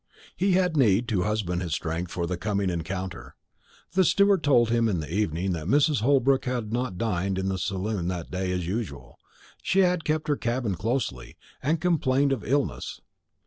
He had need to husband his strength for the coming encounter. The steward told him in the evening that Mrs. Holbrook had not dined in the saloon that day, as usual. She had kept her cabin closely, and complained of illness.